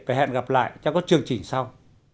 và hẹn gặp lại trong các chương trình sau